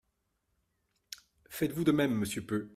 Faites-vous de même, monsieur Peu?